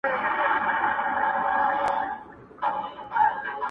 خود نو په دغه يو سـفر كي جادو.